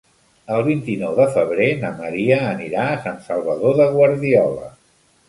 El vint-i-nou de febrer na Maria anirà a Sant Salvador de Guardiola.